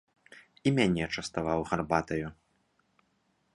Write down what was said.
І мяне частаваў гарбатаю.